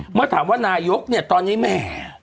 เมื่อถามว่านายกเนี่ยตอนนี้แหม